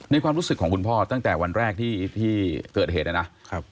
ความรู้สึกของคุณพ่อตั้งแต่วันแรกที่เกิดเหตุนะครับ